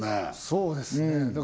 そうですねだ